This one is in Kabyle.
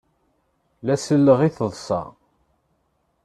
La selleɣ i taḍsa.